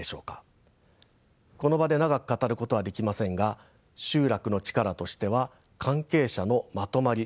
この場で長く語ることはできませんが集落の力としては関係者のまとまり